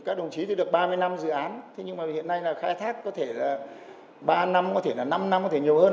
các đồng chí đã được ba mươi năm dự án hiện nay khai thác có thể ba năm năm năm nhiều hơn